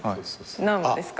何話ですか？